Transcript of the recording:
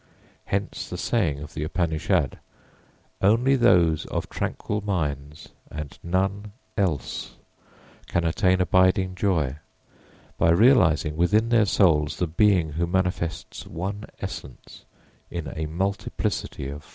Hence the saying of the Upanishad, _Only those of tranquil minds, and none else, can attain abiding joy, by realising within their souls the Being who manifests one essence in a multiplicity of forms.